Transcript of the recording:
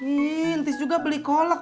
ini intis juga beli kolep